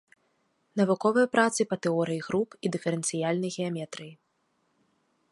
Навуковыя працы па тэорыі груп і дыферэнцыяльнай геаметрыі.